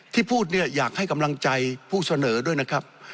ที่พูดเนี่ยอยากให้กำลังใจผู้เสนอด้วยนะครับ